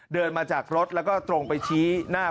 เดินมาจากรถแล้วก็ตรงไปชี้หน้า